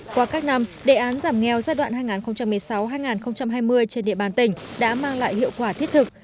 qua các năm đề án giảm nghèo giai đoạn hai nghìn một mươi sáu hai nghìn hai mươi trên địa bàn tỉnh đã mang lại hiệu quả thiết thực